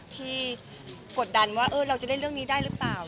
ที่กดดันว่าจะได้เรื่องนี้ได้หรือเปล่า